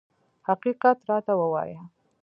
حقیقت راته ووایه.